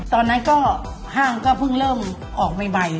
ตอนนั้นก็ห้างก็เพิ่งเริ่มออกใหม่